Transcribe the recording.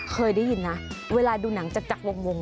เคยได้ยินนะเวลาดูหนังจากวง